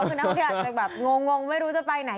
คือนักท่องเที่ยวอาจจะแบบงงไม่รู้จะไปไหน